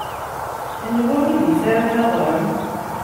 Anwa idis ara taɣem?